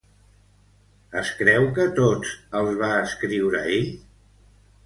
Es creu que tots els va escriure ell?